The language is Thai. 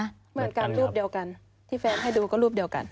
เหมือนกันรูปเดียวกันที่แฟนให้ดูก็รูปเดียวกัน